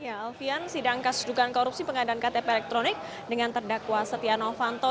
alvian sidang kasus dugaan korupsi pengadilan ktp elektronik dengan terdakwa setia novanto